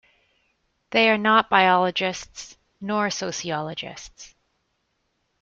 They are not biologists nor sociologists.